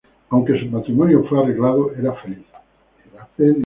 Aunque su matrimonio fue arreglado, era feliz.